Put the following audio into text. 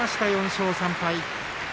４勝３敗。